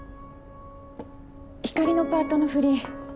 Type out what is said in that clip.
ひかりのパートの振り